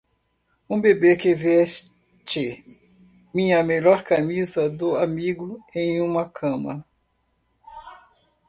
Um bebê que veste minha melhor camisa do amigo em uma cama.